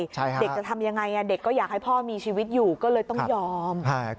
เด็กจะทำยังไงเด็กก็อยากให้พ่อมีชีวิตอยู่ก็เลยต้องยอม